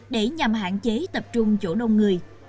để nhằm hạn chế tập trung chỗ đông người